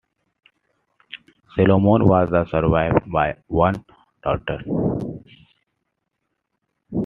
Solomon was survived by one daughter.